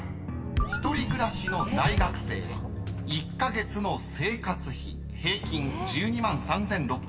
［一人暮らしの大学生１カ月の生活費平均１２万３，６３０円］